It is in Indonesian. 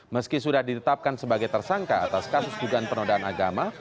meski sudah ditetapkan sebagai tersangka atas kasus dugaan penodaan agama